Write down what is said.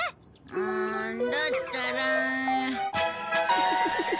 うんだったら。